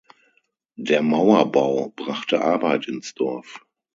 Der Mauerbau brachte Arbeit ins Dorf.